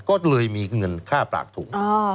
ก็เลยมีเงินค่าปากถุง